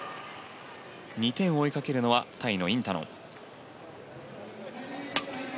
２点を追いかけるのはタイのインタノン。